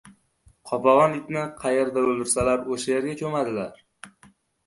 • Qopag‘on itni qayerda o‘ldirsalar o‘sha yerga ko‘madilar.